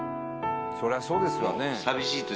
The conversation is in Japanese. そりゃそうですわね